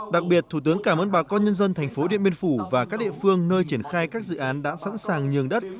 đặc biệt thủ tướng cảm ơn bà con nhân dân thành phố điện biên phủ và các địa phương nơi triển khai các dự án đã sẵn sàng nhường đất